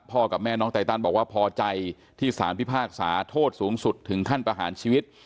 กับแม่น้องไตตันบอกว่าพอใจที่สารพิพากษาโทษสูงสุดถึงขั้นประหารชีวิต